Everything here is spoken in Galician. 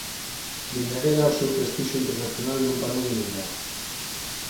Dende aquela o seu prestixio internacional non parou de medrar.